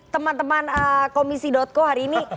teman teman komisi co hari ini